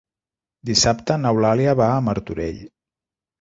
Dissabte n'Eulàlia va a Martorell.